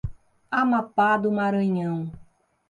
Amapá do Maranhão